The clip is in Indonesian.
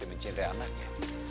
mencintai anak ya